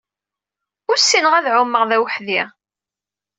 U ssineɣ ad ɛumeɣ d aweḥdi.